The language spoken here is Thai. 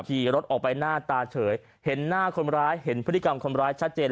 ขี่รถออกไปหน้าตาเฉยเห็นหน้าคนร้ายเห็นพฤติกรรมคนร้ายชัดเจน